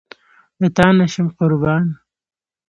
له تانه شم قربان